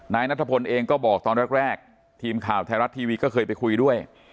นายนัทพลเองก็บอกตอนแรกทีมข่าวไทยรัฐทีวีก็เคยไปคุยด้วย